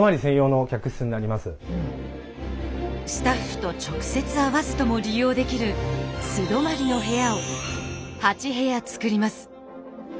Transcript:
スタッフと直接会わずとも利用できる素泊まりの部屋を８部屋作ります。